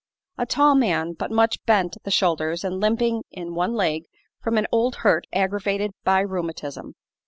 A tall man, but much bent at the shoulders and limping in one leg from an old hurt aggravated by rheumatism.